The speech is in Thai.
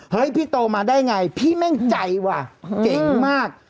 เฮ้ยพี่โตมาได้อย่างไรพี่แม่งใจว่ะเก่งมาก